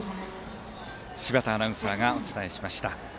柴田アナウンサーがお伝えしました。